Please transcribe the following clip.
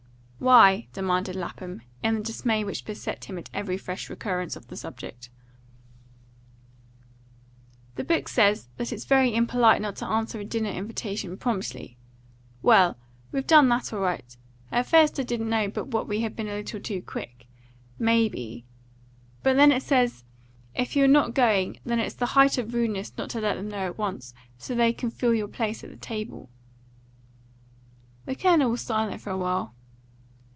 "Why?" demanded Lapham, in the dismay which beset him at every fresh recurrence to the subject. "The book says that it's very impolite not to answer a dinner invitation promptly. Well, we've done that all right, at first I didn't know but what we had been a little too quick, may be, but then it says if you're not going, that it's the height of rudeness not to let them know at once, so that they can fill your place at the table." The Colonel was silent for a while.